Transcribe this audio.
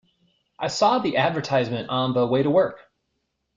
I saw the advertisement on the way to work.